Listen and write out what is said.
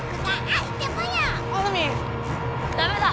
ダメだ！